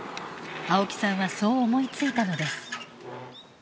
青木さんはそう思いついたのです。